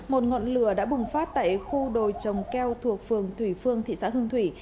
một ngọn lửa đã bùng phát tại khu đồi trồng keo thuộc phường thủy phương thị xã hương thủy